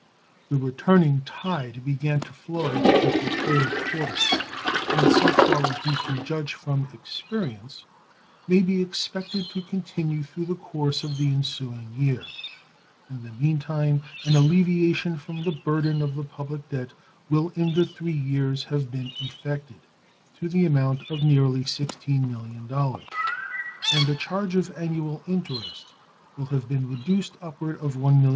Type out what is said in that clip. The returning tide began to flow with the third quarter, and, so far as we can judge from experience, may be expected to continue through the course of the ensuing year. In the mean time an alleviation from the burden of the public debt will in the three years have been effected to the amount of nearly $16,000,000, and the charge of annual interest will have been reduced upward of $1,000,000.